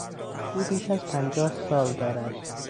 او بیش از پنجاه سال دارد.